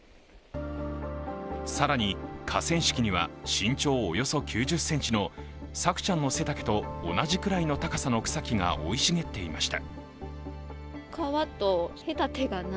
更に河川敷には身長およそ９０ｃｍの朔ちゃんの背丈と同じくらいの高さの草木が生い茂っていました。